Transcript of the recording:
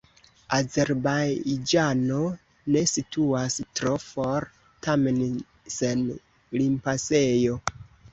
Azerbajĝano ne situas tro for, tamen sen limpasejo.